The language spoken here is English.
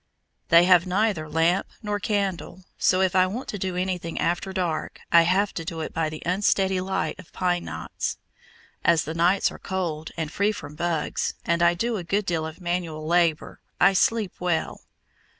They have neither lamp nor candle, so if I want to do anything after dark I have to do it by the unsteady light of pine knots. As the nights are cold, and free from bugs, and I do a good deal of manual labor, I sleep well.